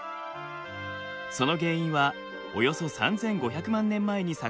その原因はおよそ３，５００万年前にさかのぼります。